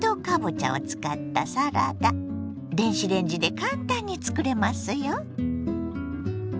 電子レンジで簡単につくれますよ。